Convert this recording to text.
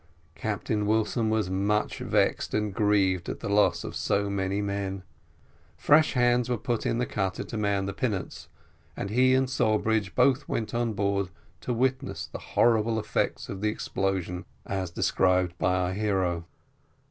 Captain Wilson was much vexed and grieved at the loss of so many men: fresh hands were put in the cutter to man the pinnace, and he and Sawbridge both went on board to witness the horrible effects of the explosion as described by our hero.